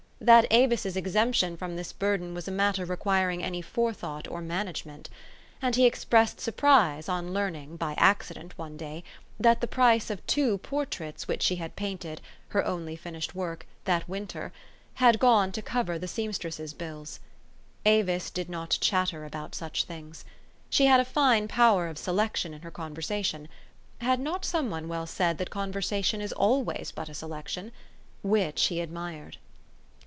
that Avis's exemption from this burden was a matter requiring any forethought or management ; and he expressed surprise on learning, by accident one day, that the price of two portraits which she had paint ed her only finished work that winter, had gone to cover the seamstress's bills. Avis did not chatter about such things. She had a fine power of selection in her conversation (has not some one well said that conversation is always but a selection?) which he admired.